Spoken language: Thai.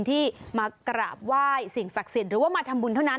ที่มากราบไหว้สิ่งศักดิ์สิทธิ์หรือว่ามาทำบุญเท่านั้น